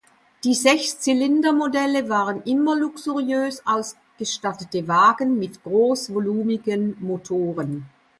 Die Sechszylindermodelle waren immer luxuriös ausgestattete Wagen mit großvolumigen Motoren.